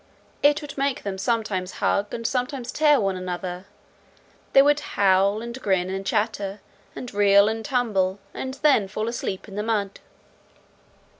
It would make them sometimes hug, and sometimes tear one another; they would howl, and grin, and chatter, and reel, and tumble, and then fall asleep in the mud."